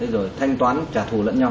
rồi thanh toán trả thù lẫn nhau